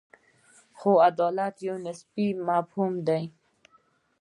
خو عدالت یو نسبي مفهوم دی.